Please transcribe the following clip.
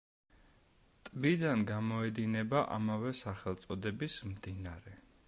ტბიდან გამოედინება ამავე სახელწოდების მდინარე.